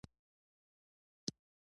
د دهلېز له لارې په ستونزو.